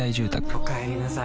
おかえりなさい。